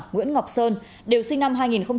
nguyễn ngọc sơn đều sinh năm hai nghìn năm hai nghìn sáu